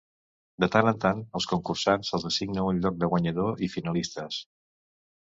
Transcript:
De tant en tant als concursants se'ls assigna un lloc de guanyador i finalistes.